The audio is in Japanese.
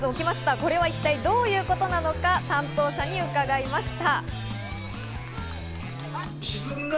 これは一体どういうことなのか担当者に伺いました。